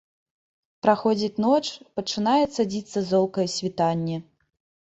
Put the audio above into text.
Праходзіць ноч, пачынае цадзіцца золкае світанне.